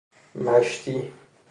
مشتی